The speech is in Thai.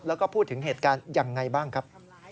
แล้วก็พูดถึงเหตุการณ์ยังไงบ้างครับ